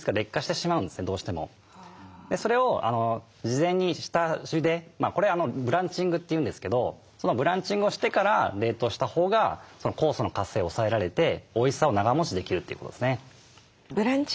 それを事前に下ゆでこれブランチングというんですけどそのブランチングをしてから冷凍したほうが酵素の活性を抑えられておいしさを長もちできるということですね。